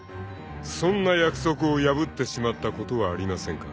［そんな約束を破ってしまったことはありませんか？］